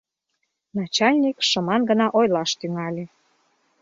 Начальник шыман гына ойлаш тӱҥале: